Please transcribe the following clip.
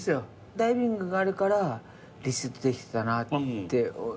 ダイビングがあるからリセットできてたなって思いますけど